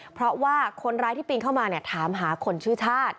เพราะว่าคนร้ายที่ปีนเข้ามาถามหาคนชื่อชาติ